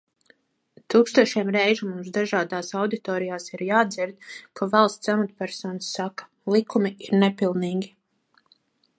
Tūkstošiem reižu mums dažādās auditorijās ir jādzird, ka valsts amatpersonas saka: likumi ir nepilnīgi!